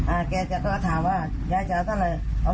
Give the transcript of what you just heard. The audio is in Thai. อ่าแกจะต้องก็ถามว่ายายจะเอาเท่าไหร่เอา๒๐๐